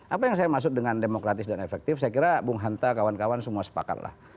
apa yang saya maksud dengan demokratis dan efektif saya kira bung hanta kawan kawan semua sepakat lah